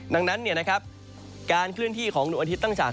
ดังนั้นการเคลื่อนที่ของดวงอาทิตย์ตั้งจาก